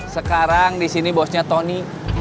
sekarang di sini bosnya tony